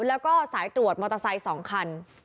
แล้วก็สายตรวจมอเตอร์ไซค์๒คัน